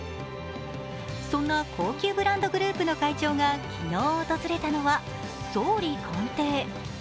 そんな高級ブランドグループの会長が昨日訪れたのは総理官邸。